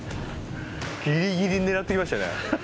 ギリギリ狙っていきましたね。